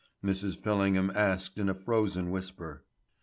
Mrs. Fillingham asked in a frozen whisper.